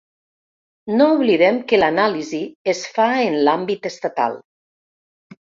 No oblidem que l’anàlisi es fa en l’àmbit estatal.